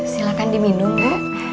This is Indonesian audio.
silakan diminum bu